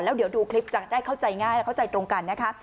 เดี๋ยวดูคลิปจะได้เข้าใจง่ายและเข้าใจตรงกันนะคะ